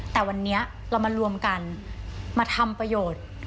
แต่วันนี้เรามารวมกันมาทำประโยชน์